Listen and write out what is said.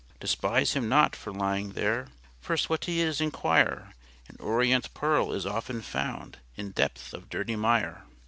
Despise Him not for lying there, First what He is inquire; An orient pearl is often found In depth of dirty mire.